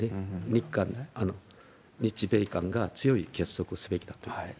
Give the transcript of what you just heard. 日韓、日米韓が強い結束をすべきだということです。